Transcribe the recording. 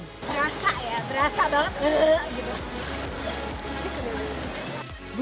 berasa ya berasa banget